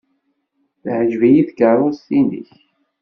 Teɛjeb-iyi tkeṛṛust-nnek.